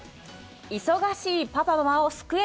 忙しいパパママを救え！